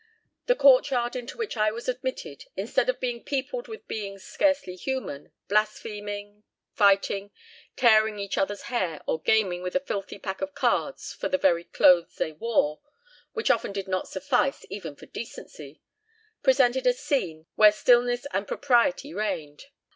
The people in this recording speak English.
The court yard into which I was admitted, instead of being peopled with beings scarcely human, blaspheming, fighting, tearing each other's hair, or gaming with a filthy pack of cards for the very clothes they wore, which often did not suffice even for decency, presented a scene where stillness and propriety reigned.